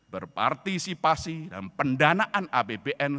berpartisipasi dalam pendanaan apbn